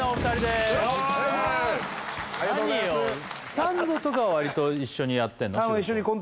サンドとか割と一緒にやってんの？